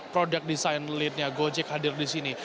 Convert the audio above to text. product design lead nya gojek hadir di sini